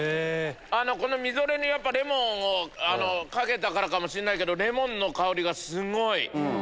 このみぞれにレモンをかけたからかもしんないけどレモンの香りがすごい！